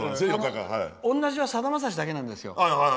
同じなのはさだまさしだけなんですよ。